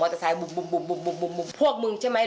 เพราะว่าหนูเพิ่งกายไม่ได้